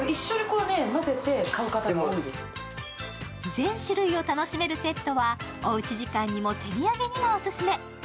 全種類を楽しめるセットはおうち時間にも手土産にもオススメ。